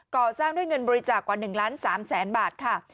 ก่อสร้างด้วยเงินบริจาคกว่า๑ล้าน๓แสนบาทค่ะ